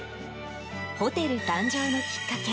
ホテル誕生のきっかけ。